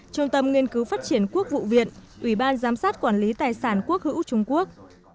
trung tâm nghiên cứu phát triển quốc vụ viện ủy ban giám sát quản lý tài sản quốc hữu trung quốc